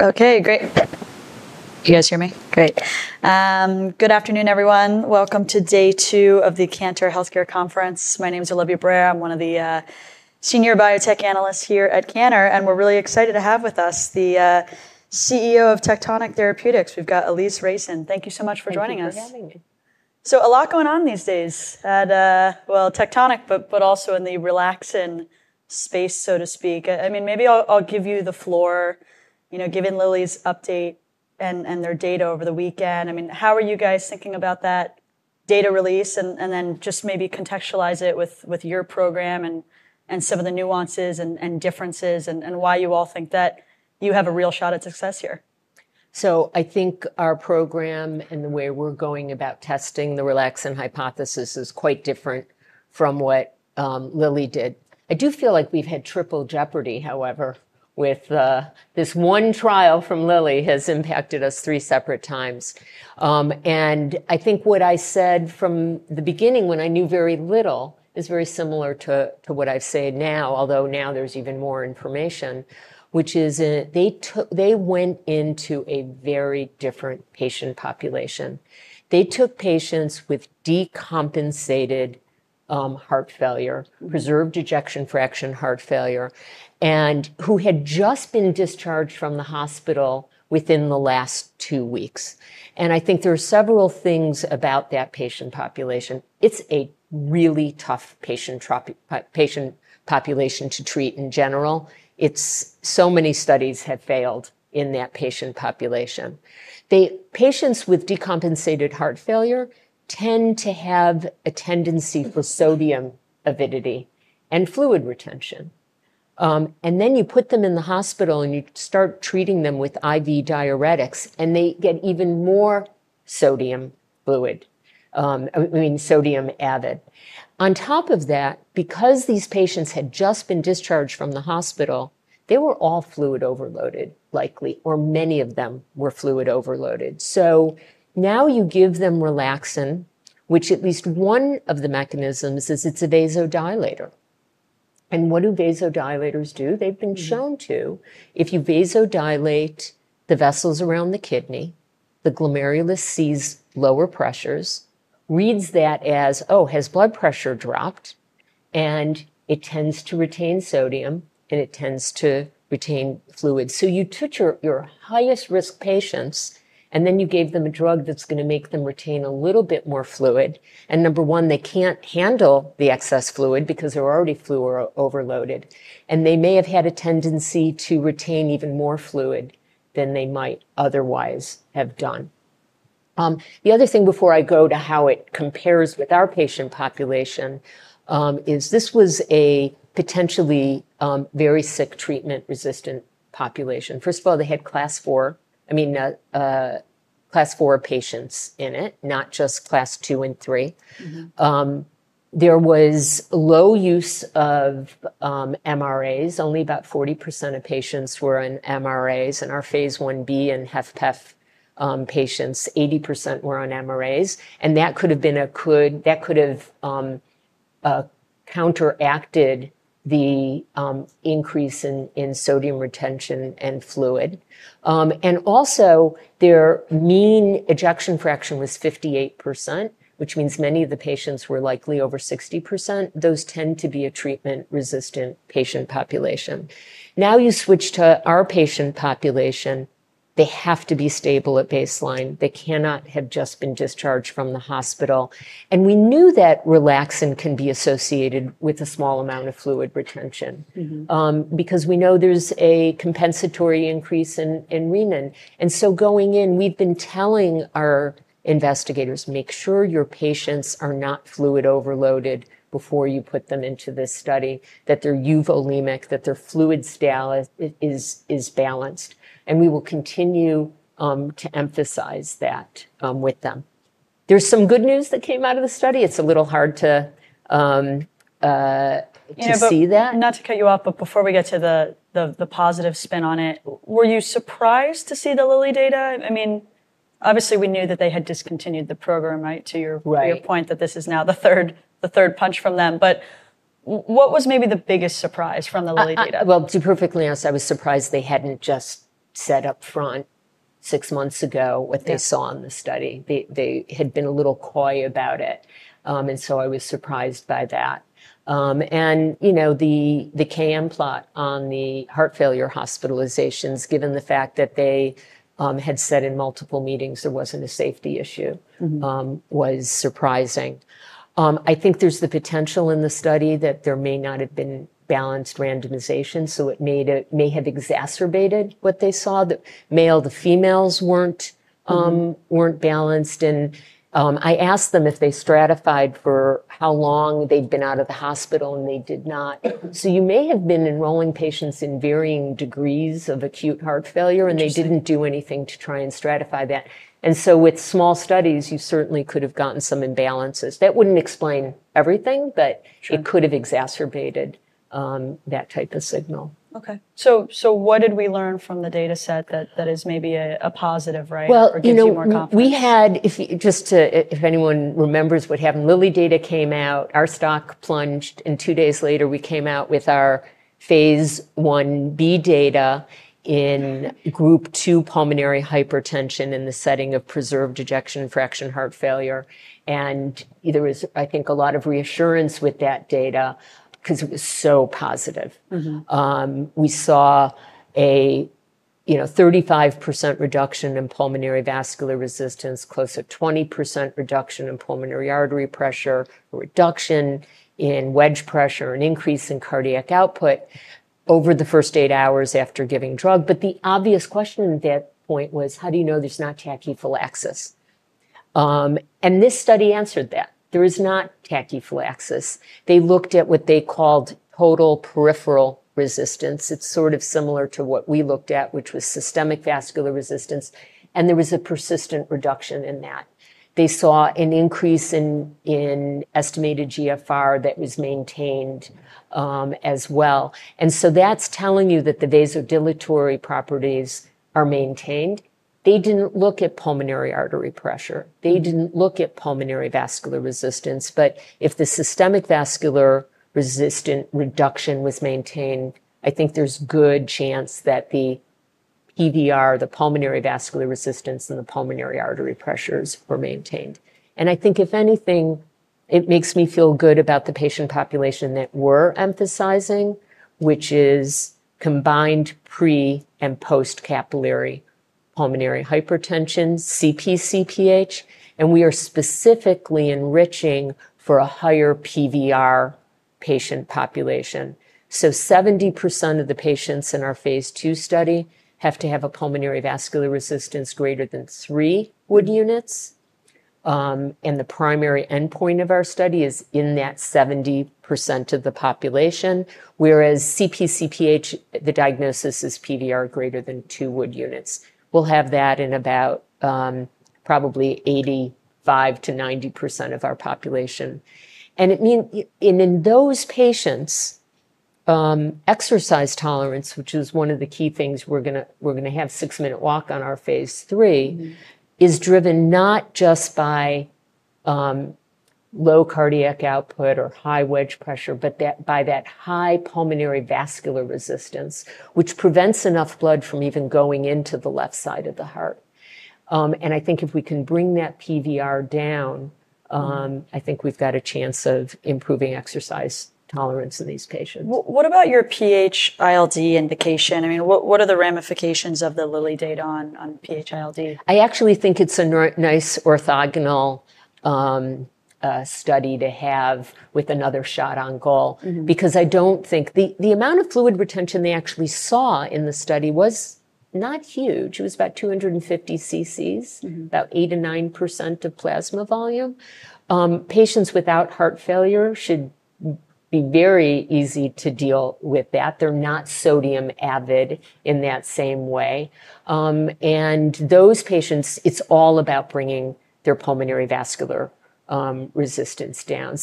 Okay, great. Can you guys hear me? Great. Good afternoon, everyone. Welcome to day two of the Cantor Healthcare Conference. My name is Olivia Brayer. I'm one of the Senior Biotech Analysts here at Cantor, and we're really excited to have with us the CEO of Tectonic Therapeutic. We've got Alise Reicin. Thank you so much for joining us. Thank you for having me. A lot going on these days at Tectonic Therapeutic, but also in the relaxin space, so to speak. Maybe I'll give you the floor, you know, given Eli Lilly's update and their data over the weekend. How are you guys thinking about that data release, and then just maybe contextualize it with your program and some of the nuances and differences, and why you all think that you have a real shot at success here. I think our program and the way we're going about testing the relaxin hypothesis is quite different from what Eli Lilly did. I do feel like we've had triple jeopardy, however, with this one trial from Eli Lilly has impacted us three separate times. I think what I said from the beginning when I knew very little is very similar to what I've said now, although now there's even more information, which is that they went into a very different patient population. They took patients with decompensated heart failure, preserved ejection fraction heart failure, and who had just been discharged from the hospital within the last two weeks. I think there are several things about that patient population. It's a really tough patient population to treat in general. So many studies have failed in that patient population. The patients with decompensated heart failure tend to have a tendency for sodium avidity and fluid retention. You put them in the hospital and you start treating them with IV diuretics and they get even more sodium added. On top of that, because these patients had just been discharged from the hospital, they were all fluid overloaded, likely, or many of them were fluid overloaded. Now you give them relaxin, which at least one of the mechanisms is it's a vasodilator. What do vasodilators do? They've been shown to, if you vasodilate the vessels around the kidney, the glomerulus sees lower pressures, reads that as, oh, has blood pressure dropped, and it tends to retain sodium, and it tends to retain fluid. You took your highest risk patients, and then you gave them a drug that's going to make them retain a little bit more fluid. Number one, they can't handle the excess fluid because they're already fluid overloaded. They may have had a tendency to retain even more fluid than they might otherwise have done. The other thing before I go to how it compares with our patient population is this was a potentially very sick treatment-resistant population. First of all, they had class four, I mean, class four patients in it, not just class two and three. There was low use of MRAs. Only about 40% of patients were on MRAs. In our phase 1B and HFpEF patients, 80% were on MRAs. That could have been a, could, that could have counteracted the increase in sodium retention and fluid. and also their mean ejection fraction was 58%, which means many of the patients were likely over 60%. Those tend to be a treatment-resistant patient population. Now you switch to our patient population. They have to be stable at baseline. They cannot have just been discharged from the hospital. We knew that relaxin can be associated with a small amount of fluid retention because we know there's a compensatory increase in renin. Going in, we've been telling our investigators, make sure your patients are not fluid overloaded before you put them into this study, that they're euvolemic, that their fluid status is balanced. We will continue to emphasize that with them. There's some good news that came out of the study. It's a little hard to see that. Not to cut you off, but before we get to the positive spin on it, were you surprised to see the Lilly data? I mean, obviously we knew that they had discontinued the program, right? To your point that this is now the third punch from them. What was maybe the biggest surprise from the Lilly data? To be perfectly honest, I was surprised they hadn't just said up front six months ago what they saw in the study. They had been a little quiet about it, and I was surprised by that. The KM plot on the heart failure hospitalizations, given the fact that they had said in multiple meetings there wasn't a safety issue, was surprising. I think there's the potential in the study that there may not have been balanced randomization, so it may have exacerbated what they saw, that male to females weren't balanced. I asked them if they stratified for how long they'd been out of the hospital and they did not. You may have been enrolling patients in varying degrees of acute heart failure and they didn't do anything to try and stratify that. With small studies, you certainly could have gotten some imbalances. That wouldn't explain everything, but it could have exacerbated that type of signal. What did we learn from the data set that is maybe a positive, right? If you, just to, if anyone remembers what happened, Eli Lilly data came out, our stock plunged, and two days later we came out with our phase 1B data in group 2 pulmonary hypertension in the setting of preserved ejection fraction heart failure. There was, I think, a lot of reassurance with that data because it was so positive. We saw a 35% reduction in pulmonary vascular resistance, close to 20% reduction in pulmonary artery pressure, a reduction in wedge pressure, and an increase in cardiac output over the first eight hours after giving drug. The obvious question at that point was, how do you know there's not tachyphylaxis? This study answered that. There is not tachyphylaxis. They looked at what they called total peripheral resistance. It's sort of similar to what we looked at, which was systemic vascular resistance, and there was a persistent reduction in that. They saw an increase in estimated GFR that was maintained, as well. That's telling you that the vasodilatory properties are maintained. They didn't look at pulmonary artery pressure. They didn't look at pulmonary vascular resistance. If the systemic vascular resistance reduction was maintained, I think there's a good chance that the PVR, the pulmonary vascular resistance, and the pulmonary artery pressures were maintained. I think if anything, it makes me feel good about the patient population that we're emphasizing, which is combined pre- and post-capillary pulmonary hypertension, CP-CPH, and we are specifically enriching for a higher PVR patient population. 70% of the patients in our phase 2 study have to have a pulmonary vascular resistance greater than 3 WU units, and the primary endpoint of our study is in that 70% of the population, whereas CP-CPH, the diagnosis is PVR greater than 2 WU units. We'll have that in about, probably 85% to 90% of our population. In those patients, exercise tolerance, which is one of the key things we're going to, we're going to have a six-minute walk on our phase 3, is driven not just by low cardiac output or high wedge pressure, but by that high pulmonary vascular resistance, which prevents enough blood from even going into the left side of the heart. I think if we can bring that PVR down, I think we've got a chance of improving exercise tolerance in these patients. What about your PH-ILD indication? I mean, what are the ramifications of the Lilly data on PH-ILD? I actually think it's a nice orthogonal study to have with another shot on goal because I don't think the amount of fluid retention they actually saw in the study was not huge. It was about 250 cc, about 8% to 9% of plasma volume. Patients without heart failure should be very easy to deal with that. They're not sodium avid in that same way. In those patients, it's all about bringing their pulmonary vascular resistance down.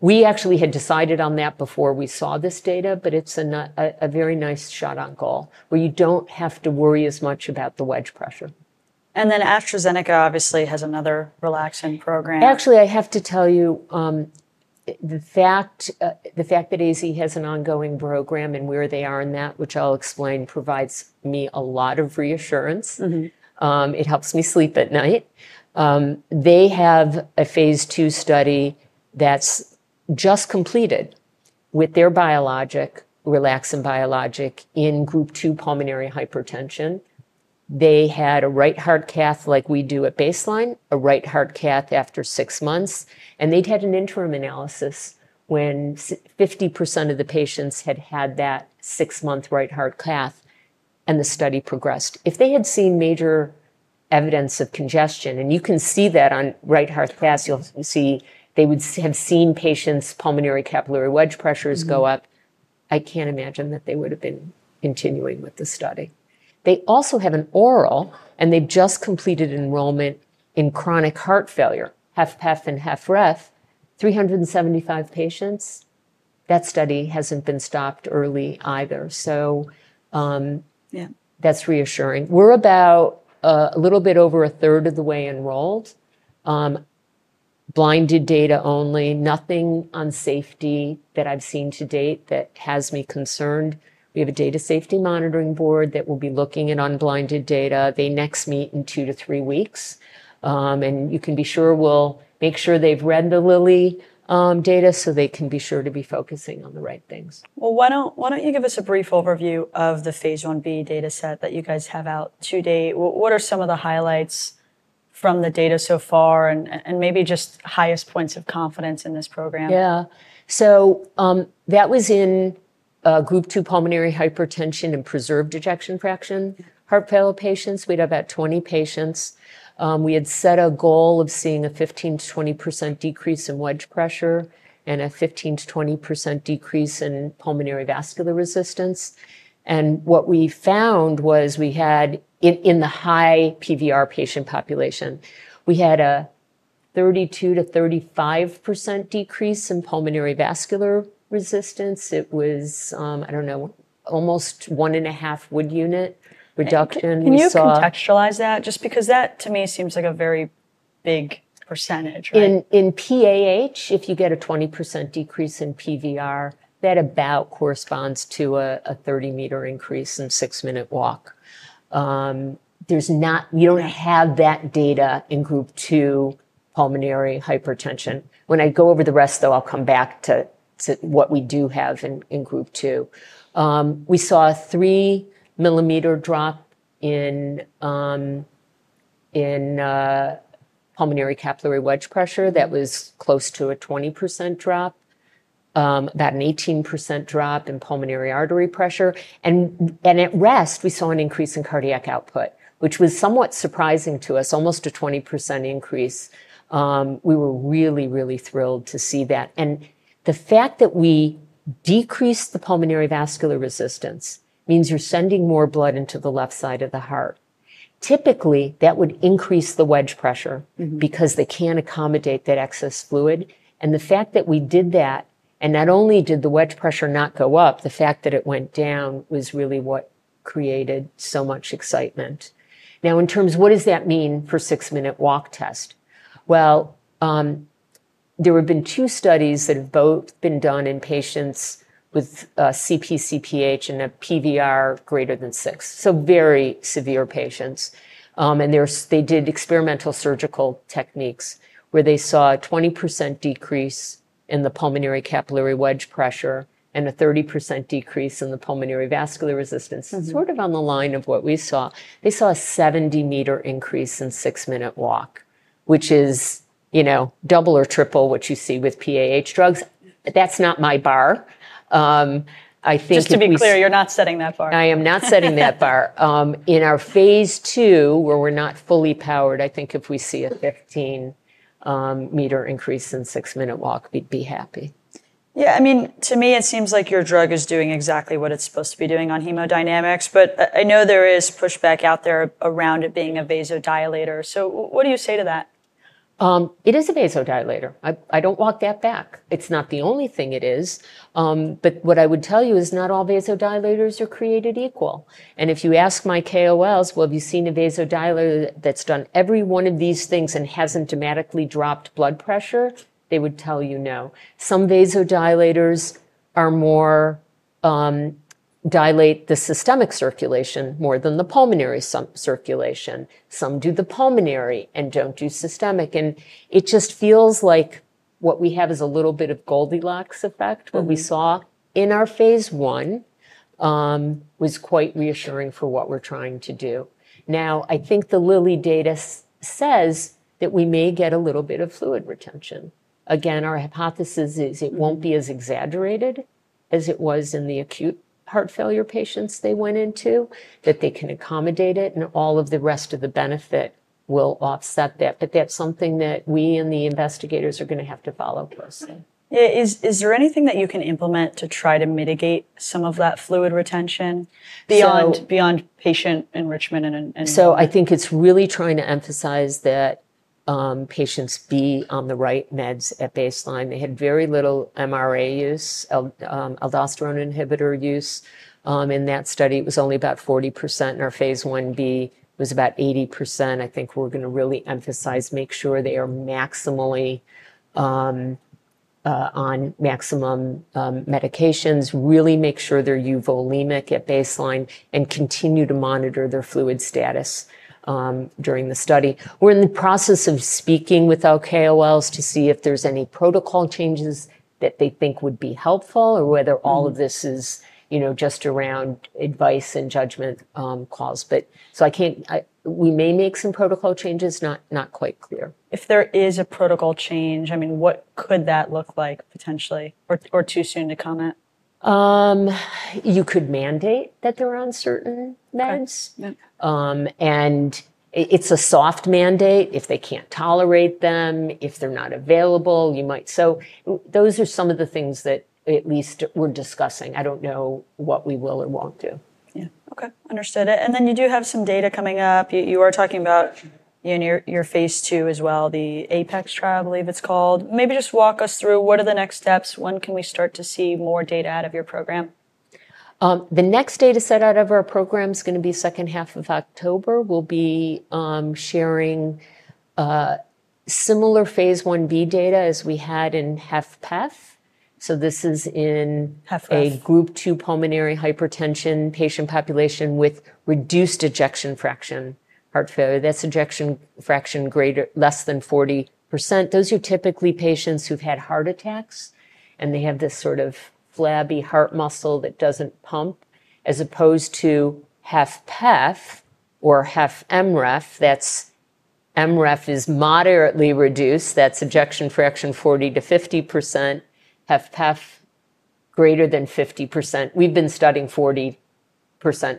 We actually had decided on that before we saw this data, but it's a very nice shot on goal where you don't have to worry as much about the wedge pressure. AstraZeneca obviously has another relaxin program. Actually, I have to tell you, the fact that AstraZeneca has an ongoing program and where they are in that, which I'll explain, provides me a lot of reassurance. It helps me sleep at night. They have a phase 2 study that's just completed with their biologic, relaxin biologic in group 2 pulmonary hypertension. They had a right heart cath like we do at baseline, a right heart cath after six months, and they'd had an interim analysis when 50% of the patients had had that six-month right heart cath and the study progressed. If they had seen major evidence of congestion, and you can see that on right heart cath, you'll see they would have seen patients' pulmonary capillary wedge pressures go up. I can't imagine that they would have been continuing with the study. They also have an oral, and they've just completed enrollment in chronic heart failure, HFpEF and HFrEF, 375 patients. That study hasn't been stopped early either. Yeah, that's reassuring. We're about, a little bit over a third of the way enrolled. Blinded data only, nothing on safety that I've seen to date that has me concerned. We have a data safety monitoring board that will be looking at unblinded data. They next meet in two to three weeks. You can be sure we'll make sure they've read the Lilly data so they can be sure to be focusing on the right things. Why don't you give us a brief overview of the phase 1B data set that you guys have out today? What are some of the highlights from the data so far, and maybe just highest points of confidence in this program? Yeah. That was in group 2 pulmonary hypertension and preserved ejection fraction heart failure patients. We'd have about 20 patients. We had set a goal of seeing a 15% to 20% decrease in wedge pressure and a 15% to 20% decrease in pulmonary vascular resistance. What we found was we had, in the high PVR patient population, a 32% to 35% decrease in pulmonary vascular resistance. It was, I don't know, almost one and a half Wood unit reduction. Can you contextualize that? Just because that to me seems like a very big %. In PAH, if you get a 20% decrease in PVR, that about corresponds to a 30 meter increase in a six-minute walk. You don't have that data in group 2 pulmonary hypertension. When I go over the rest, I'll come back to what we do have in group 2. We saw a three millimeter drop in pulmonary capillary wedge pressure that was close to a 20% drop, about an 18% drop in pulmonary artery pressure. At rest, we saw an increase in cardiac output, which was somewhat surprising to us, almost a 20% increase. We were really, really thrilled to see that. The fact that we decreased the pulmonary vascular resistance means you're sending more blood into the left side of the heart. Typically, that would increase the wedge pressure because they can't accommodate that excess fluid. The fact that we did that, and not only did the wedge pressure not go up, the fact that it went down was really what created so much excitement. In terms of what does that mean for a six-minute walk test, there have been two studies that have both been done in patients with CP-CPH and a PVR greater than six, so very severe patients. They did experimental surgical techniques where they saw a 20% decrease in the pulmonary capillary wedge pressure and a 30% decrease in the pulmonary vascular resistance. On the line of what we saw, they saw a 70 meter increase in a six-minute walk, which is double or triple what you see with PAH drugs. That's not my bar. I think. Just to be clear, you're not setting that bar. I am not setting that bar. In our phase 2, where we're not fully powered, I think if we see a 15 meter increase in a six-minute walk, we'd be happy. Yeah, I mean, to me, it seems like your drug is doing exactly what it's supposed to be doing on hemodynamics, but I know there is pushback out there around it being a vasodilator. What do you say to that? It is a vasodilator. I don't walk that back. It's not the only thing it is. What I would tell you is not all vasodilators are created equal. If you ask my KOLs, have you seen a vasodilator that's done every one of these things and hasn't dramatically dropped blood pressure? They would tell you no. Some vasodilators dilate the systemic circulation more than the pulmonary circulation. Some do the pulmonary and don't do systemic. It just feels like what we have is a little bit of a Goldilocks effect. What we saw in our phase 1B data was quite reassuring for what we're trying to do. I think the Lilly data says that we may get a little bit of fluid retention. Our hypothesis is it won't be as exaggerated as it was in the acute heart failure patients they went into, that they can accommodate it, and all of the rest of the benefit will offset that. That's something that we and the investigators are going to have to follow closely. Is there anything that you can implement to try to mitigate some of that fluid retention beyond patient enrichment? I think it's really trying to emphasize that patients be on the right meds at baseline. They had very little MRA use, aldosterone inhibitor use. In that study, it was only about 40%. In our phase 1B, it was about 80%. I think we're going to really emphasize, make sure they are maximally on maximum medications, really make sure they're euvolemic at baseline, and continue to monitor their fluid status during the study. We're in the process of speaking with our KOLs to see if there's any protocol changes that they think would be helpful or whether all of this is, you know, just around advice and judgment calls. I can't, we may make some protocol changes, not quite clear. If there is a protocol change, what could that look like potentially? Or too soon to comment? You could mandate that they're on certain meds. It's a soft mandate. If they can't tolerate them, if they're not available, you might. Those are some of the things that at least we're discussing. I don't know what we will or won't do. Okay, understood. You do have some data coming up. You are talking about your phase 2 as well, the APEX trial, I believe it's called. Maybe just walk us through what are the next steps. When can we start to see more data out of your program? The next data set out of our program is going to be second half of October. We'll be sharing similar phase 1B data as we had in HFpEF. This is in a group 2 pulmonary hypertension patient population with reduced ejection fraction heart failure. That's ejection fraction less than 40%. Those are typically patients who've had heart attacks and they have this sort of flabby heart muscle that doesn't pump, as opposed to HFpEF or HFmREF. MREF is moderately reduced. That's ejection fraction 40 to 50%. HFpEF greater than 50%. We've been studying 40%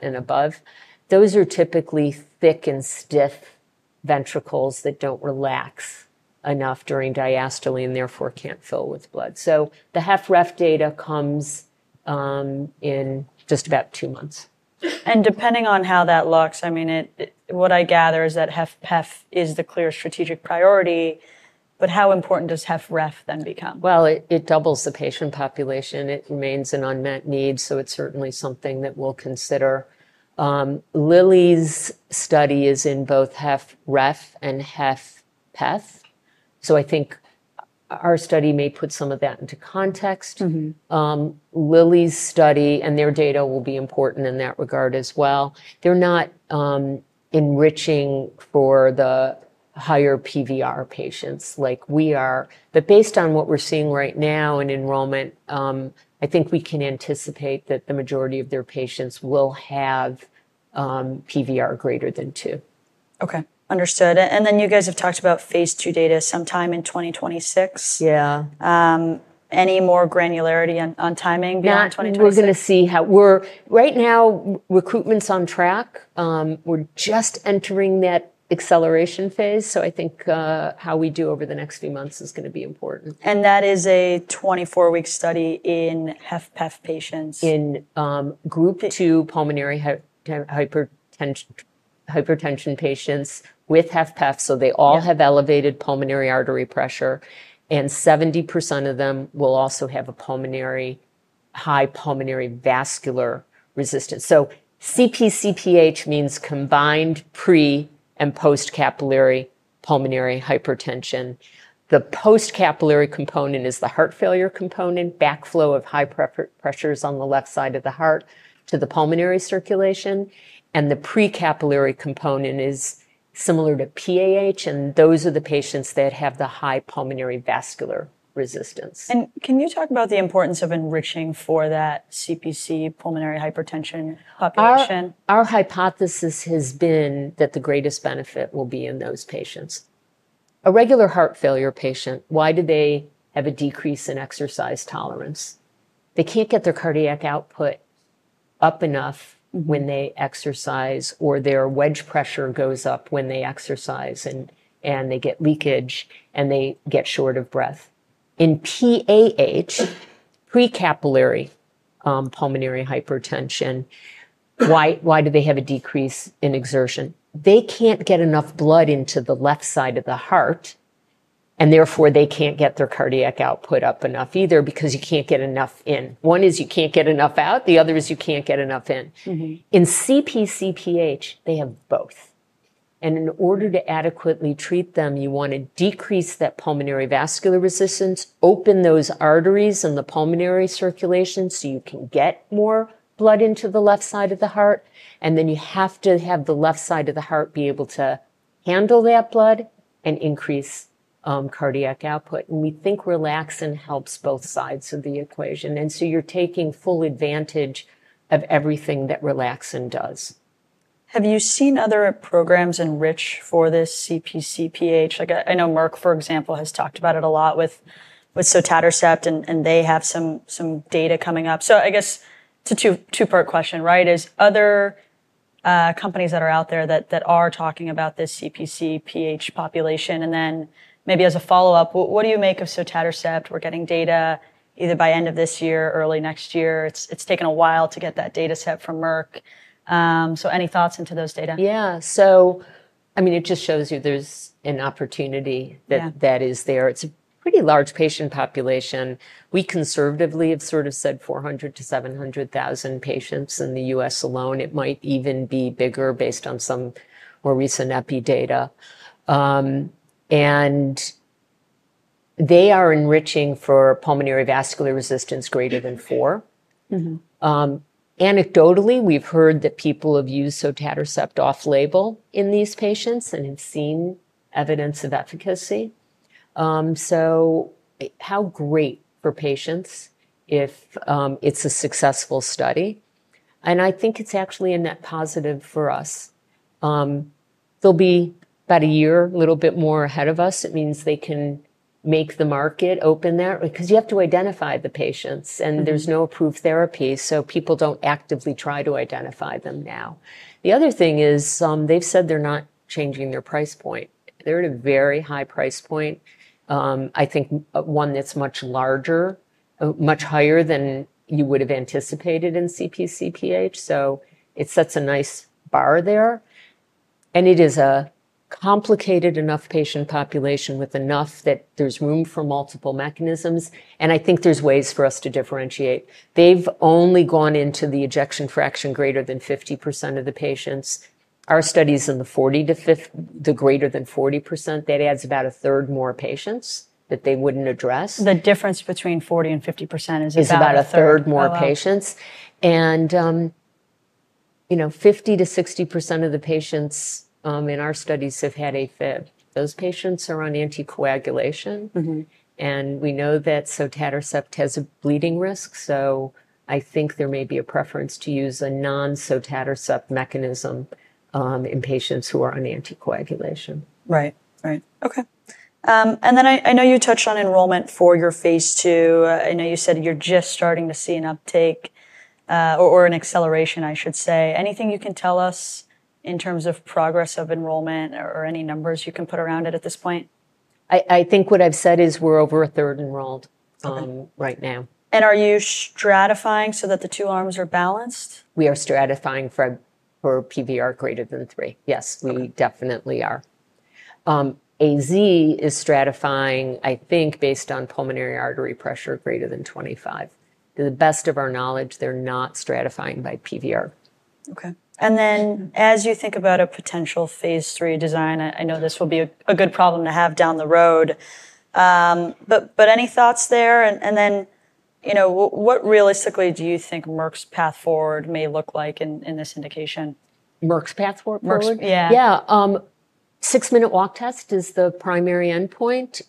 and above. Those are typically thick and stiff ventricles that don't relax enough during diastole and therefore can't fill with blood. The HFrEF data comes in just about two months. Depending on how that looks, I mean, what I gather is that HFpEF is the clear strategic priority, but how important does HFrEF then become? It doubles the patient population. It remains an unmet need, so it's certainly something that we'll consider. Lilly's study is in both HFrEF and HFpEF. I think our study may put some of that into context. Lilly's study and their data will be important in that regard as well. They're not enriching for the higher PVR patients like we are, but based on what we're seeing right now in enrollment, I think we can anticipate that the majority of their patients will have PVR greater than two. Okay, understood. You guys have talked about phase 2 data sometime in 2026. Yeah. Any more granularity on timing beyond 2026? We're going to see how we're right now. Recruitment's on track. We're just entering that acceleration phase. I think how we do over the next few months is going to be important. That is a 24-week study in HFpEF patients? In group 2 pulmonary hypertension patients with HFpEF, they all have elevated pulmonary artery pressure, and 70% of them will also have a high pulmonary vascular resistance. CP-CPH means combined pre- and post-capillary pulmonary hypertension. The post-capillary component is the heart failure component, backflow of high pressures on the left side of the heart to the pulmonary circulation. The pre-capillary component is similar to PAH, and those are the patients that have the high pulmonary vascular resistance. Can you talk about the importance of enriching for that CP-CPH pulmonary hypertension population? Our hypothesis has been that the greatest benefit will be in those patients. A regular heart failure patient, why do they have a decrease in exercise tolerance? They can't get their cardiac output up enough when they exercise, or their wedge pressure goes up when they exercise, and they get leakage, and they get short of breath. In PAH, pre-capillary pulmonary hypertension, why do they have a decrease in exertion? They can't get enough blood into the left side of the heart, and therefore they can't get their cardiac output up enough either because you can't get enough in. One is you can't get enough out. The other is you can't get enough in. In CP-CPH, they have both. In order to adequately treat them, you want to decrease that pulmonary vascular resistance, open those arteries in the pulmonary circulation so you can get more blood into the left side of the heart. You have to have the left side of the heart be able to handle that blood and increase cardiac output. We think relaxin helps both sides of the equation, so you're taking full advantage of everything that relaxin does. Have you seen other programs enrich for this CP-CPH? I know Merck, for example, has talked about it a lot with sotatercept and they have some data coming up. I guess it's a two-part question, right? Is other companies that are out there that are talking about this CP-CPH population? Maybe as a follow-up, what do you make of sotatercept? We're getting data either by end of this year, early next year. It's taken a while to get that data set from Merck. Any thoughts into those data? Yeah, so I mean, it just shows you there's an opportunity that is there. It's a pretty large patient population. We conservatively have sort of said 400,000 to 700,000 patients in the U.S. alone. It might even be bigger based on some more recent epi data. They are enriching for pulmonary vascular resistance greater than four. Anecdotally, we've heard that people have used sotatercept off-label in these patients and have seen evidence of efficacy. How great for patients if it's a successful study. I think it's actually a net positive for us. They'll be about a year, a little bit more ahead of us. It means they can make the market open there because you have to identify the patients and there's no approved therapy, so people don't actively try to identify them now. The other thing is, they've said they're not changing their price point. They're at a very high price point, I think one that's much larger, much higher than you would have anticipated in CP-CPH. It sets a nice bar there. It is a complicated enough patient population with enough that there's room for multiple mechanisms. I think there's ways for us to differentiate. They've only gone into the ejection fraction greater than 50% of the patients. Our study is in the 40% to 50%, the greater than 40%. That adds about a third more patients that they wouldn't address. The difference between 40% and 50% is about... ...is about a third more patients. You know, 50% to 60% of the patients in our studies have had atrial fibrillation. Those patients are on anticoagulation. We know that sotatercept has a bleeding risk. I think there may be a preference to use a non-sotatercept mechanism in patients who are on anticoagulation. Right, right. Okay. I know you touched on enrollment for your phase 2. I know you said you're just starting to see an uptake, or an acceleration, I should say. Anything you can tell us in terms of progress of enrollment or any numbers you can put around it at this point? I think what I've said is we're over a third enrolled right now. Are you stratifying so that the two arms are balanced? We are stratifying for PVR greater than 3. Yes, we definitely are. AstraZeneca is stratifying, I think, based on pulmonary artery pressure greater than 25. To the best of our knowledge, they're not stratifying by PVR. Okay. As you think about a potential phase 3 design, I know this will be a good problem to have down the road. Any thoughts there? What realistically do you think Merck's path forward may look like in this indication? Merck's path forward? Merck, yeah. Yeah, six-minute walk test is the primary endpoint.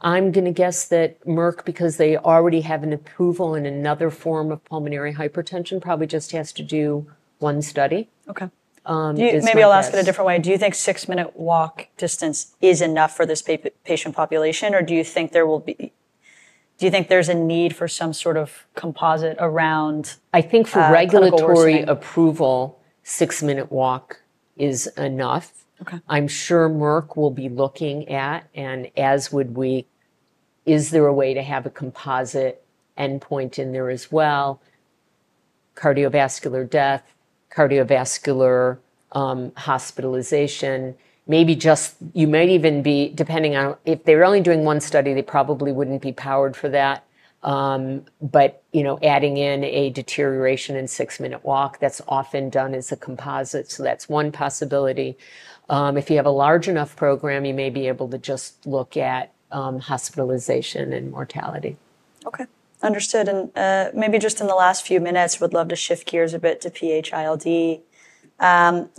I'm going to guess that Merck, because they already have an approval in another form of pulmonary hypertension, probably just has to do one study. Okay, maybe I'll ask it a different way. Do you think six-minute walk distance is enough for this patient population, or do you think there's a need for some sort of composite around? I think for regulatory approval, six-minute walk is enough. Okay, I'm sure Merck will be looking at, and as would we, is there a way to have a composite endpoint in there as well? Cardiovascular death, cardiovascular hospitalization, maybe just, you might even be, depending on if they're only doing one study, they probably wouldn't be powered for that. You know, adding in a deterioration in six-minute walk, that's often done as a composite. That's one possibility. If you have a large enough program, you may be able to just look at hospitalization and mortality. Okay, understood. Maybe just in the last few minutes, I would love to shift gears a bit to PH-ILD. You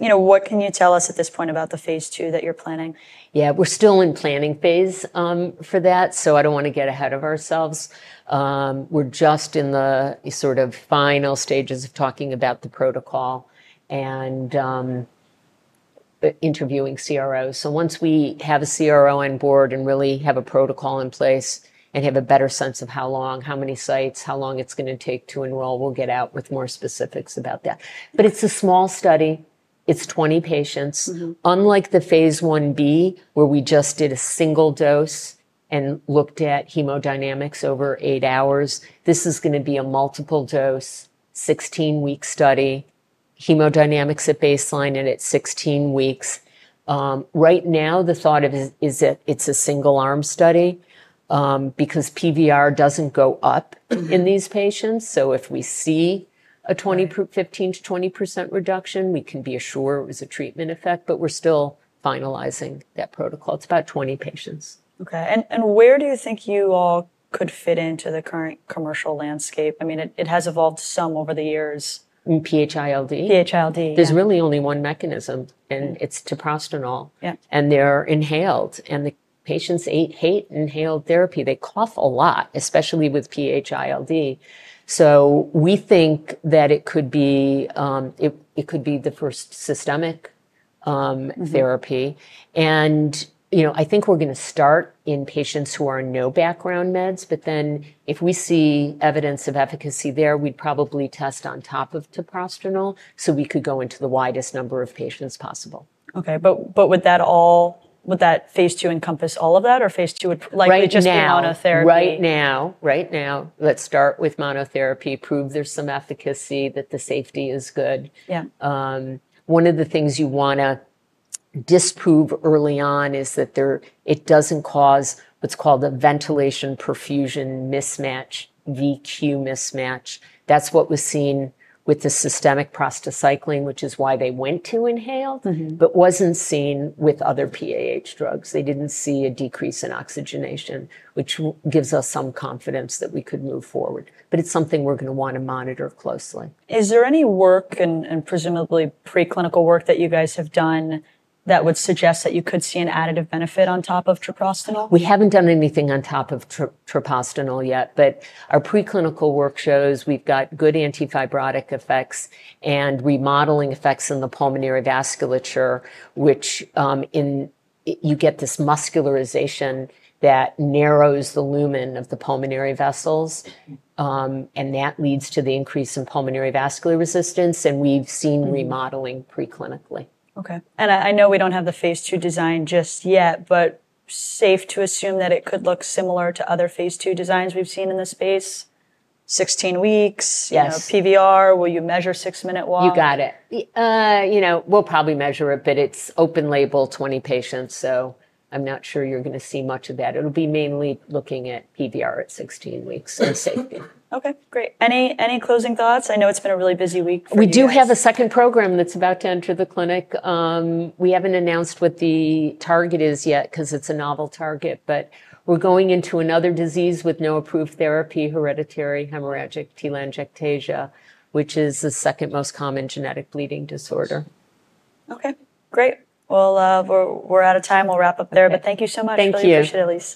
know, what can you tell us at this point about the phase 2 that you're planning? Yeah, we're still in planning phase for that. I don't want to get ahead of ourselves. We're just in the sort of final stages of talking about the protocol and interviewing CRO. Once we have a CRO on board and really have a protocol in place and have a better sense of how long, how many sites, how long it's going to take to enroll, we'll get out with more specifics about that. It's a small study. It's 20 patients. Unlike the phase 1B, where we just did a single dose and looked at hemodynamics over eight hours, this is going to be a multiple dose, 16-week study, hemodynamics at baseline and at 16 weeks. Right now, the thought of it is that it's a single arm study, because PVR doesn't go up in these patients. If we see a 15% to 20% reduction, we can be assured it was a treatment effect. We're still finalizing that protocol. It's about 20 patients. Where do you think you all could fit into the current commercial landscape? I mean, it has evolved some over the years. PH-ILD. There's really only one mechanism, and it's treprostinil. They're inhaled, and the patients hate inhaled therapy. They cough a lot, especially with PH-ILD. We think that it could be the first systemic therapy. I think we're going to start in patients who are on no background meds, but if we see evidence of efficacy there, we'd probably test on top of treprostinil so we could go into the widest number of patients possible. Would that phase 2 encompass all of that, or phase 2 would likely just be monotherapy? Right now, let's start with monotherapy, prove there's some efficacy, that the safety is good. One of the things you want to disprove early on is that it doesn't cause what's called a ventilation perfusion mismatch, VQ mismatch. That's what was seen with the systemic prostacyclin, which is why they went to inhaled, but wasn't seen with other PAH drugs. They didn't see a decrease in oxygenation, which gives us some confidence that we could move forward. It's something we're going to want to monitor closely. Is there any work and presumably preclinical work that you guys have done that would suggest that you could see an additive benefit on top of sotatercept? We haven't done anything on top of tricostanol yet, but our preclinical work shows we've got good antifibrotic effects and remodeling effects in the pulmonary vasculature, which, you get this muscularization that narrows the lumen of the pulmonary vessels, and that leads to the increase in pulmonary vascular resistance. We've seen remodeling preclinically. Okay. I know we don't have the phase 2 design just yet, but safe to assume that it could look similar to other phase 2 designs we've seen in the space? Sixteen weeks, you know, PVR, will you measure six-minute walk? You got it. You know, we'll probably measure it, but it's open label, 20 patients, so I'm not sure you're going to see much of that. It'll be mainly looking at PVR at 16 weeks and safety. Okay, great. Any closing thoughts? I know it's been a really busy week. We do have a second program that's about to enter the clinic. We haven't announced what the target is yet because it's a novel target, but we're going into another disease with no approved therapy, hereditary hemorrhagic telangiectasia, which is the second most common genetic bleeding disorder. Okay, great. We're out of time. We'll wrap up there, but thank you so much. Thank you. Really, really appreciate it.